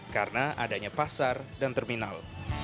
karena adanya pasar dan terminal